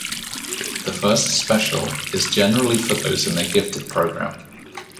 The first special is generally for those in the gifted program.